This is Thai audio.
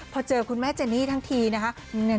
พอเจอคุณแม่เจนี่ทั้งทีนะคะ